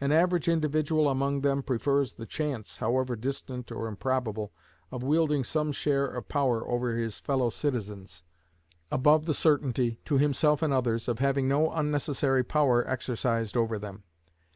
An average individual among them prefers the chance, however distant or improbable, of wielding some share of power over his fellow citizens, above the certainty, to himself and others, of having no unnecessary power exercised over them.